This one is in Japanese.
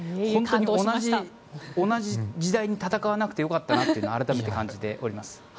本当に同じ時代に戦わなくてよかったなと改めて感じております。